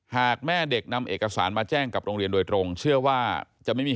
หากแม่เด็กนำเอกสารมาแจ้งกับโรงเรียนโดยตรงเชื่อว่าจะไม่มี